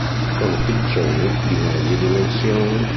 Sono piccioni di medie dimensioni.